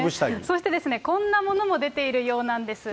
そしてこんなものも出ているようなんです。